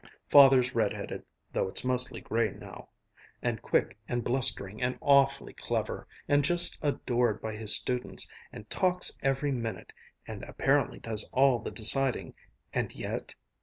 Father's red headed (though it's mostly gray now), and quick, and blustering, and awfully clever, and just adored by his students, and talks every minute, and apparently does all the deciding, and yet